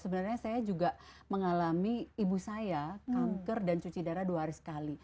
sebenarnya saya juga mengalami ibu saya kanker dan cuci darah dua hari sekali